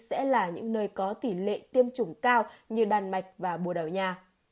sẽ là những nơi có tỷ lệ tiêm chủng cao như đan mạch và bùa đảo nha